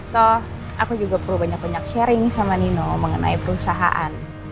toh aku juga perlu banyak banyak sharing sama nino mengenai perusahaan